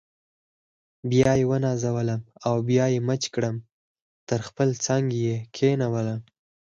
بیا یې ونازولم او بیا یې مچ کړم تر خپل څنګ یې کښېنولم.